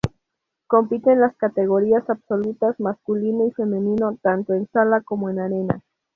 Compite en las categorías absolutas, masculino y femenino, tanto en sala como en arena.